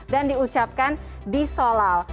dan diucapkan di solal